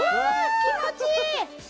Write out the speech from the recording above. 気持ちいい！